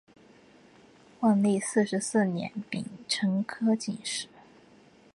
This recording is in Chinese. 万历四十四年丙辰科进士。